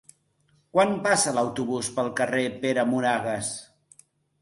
Quan passa l'autobús pel carrer Pere Moragues?